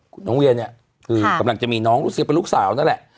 คุณน้องเวียนี่คือกำลังจะมีน้องลูกสาวนั่นแหละ